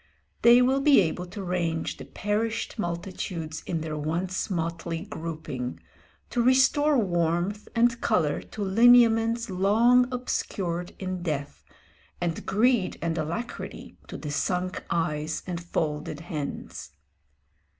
They will be able to range the perished multitudes in their once motley grouping, to restore warmth and colour to lineaments long obscured in death, and greed and alacrity to the sunk eyes and folded hands.